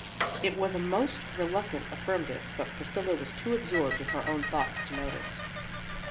It was a most reluctant affirma tive, but Priscilla was too absorbed in her own thoughts to notice.